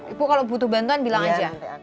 ibu kalau butuh bantuan bilang aja